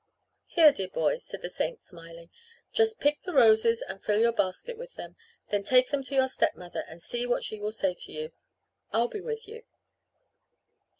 "Here, dear boy," said the saint, smiling. "Just pick the roses and fill your basket with them. Then take them to your stepmother and see what she will say to you. I'll be with you."